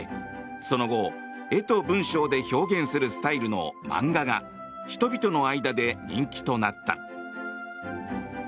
その後、絵と文章で表現するスタイルの漫画が人々の間で人気となった。